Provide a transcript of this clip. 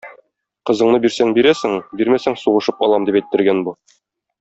Кызыңны бирсәң бирәсең, бирмәсәң - сугышып алам, - дип әйттергән бу.